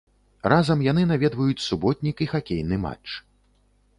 Разам яны наведваюць суботнік і хакейны матч.